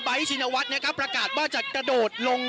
ใบท์ชินวัตรนะครับประกาศว่าจะตะโดดลง